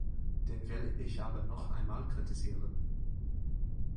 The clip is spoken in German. Den will ich aber noch einmal kritisieren.